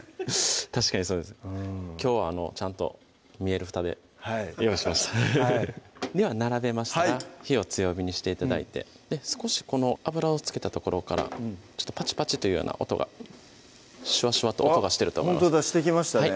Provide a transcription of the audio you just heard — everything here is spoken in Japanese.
確かにきょうはちゃんと見えるふたで用意しましたでは並べましたら火を強火にして頂いて少しこの油を付けた所からパチパチというような音がシュワシュワと音がしてるとほんとだしてきましたね